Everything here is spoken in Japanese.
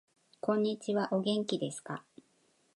こんにちはお元気ですか